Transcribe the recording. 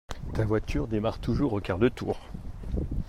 Ta voiture démarre toujours au quart de tour.